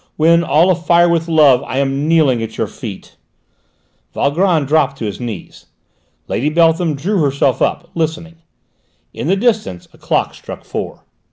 When, all afire with love, I am kneeling at your feet?" Valgrand dropped to his knees. Lady Beltham drew herself up, listening. In the distance a clock struck four.